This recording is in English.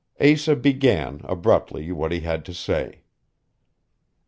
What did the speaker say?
Asa began, abruptly, what he had to say.